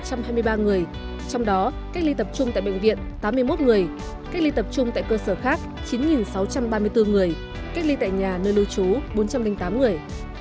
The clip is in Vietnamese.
trong đó cách ly tập trung tại bệnh viện tám mươi một người cách ly tập trung tại cơ sở khác chín sáu trăm ba mươi bốn người cách ly tại nhà nơi lưu trú bốn trăm linh tám người